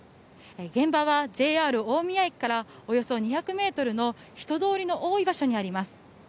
現場はＪＲ大宮駅からおよそ２００ｍの人通りの多い場所にあります。